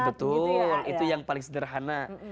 betul itu yang paling sederhana